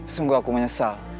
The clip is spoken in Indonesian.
sungguh aku menyesal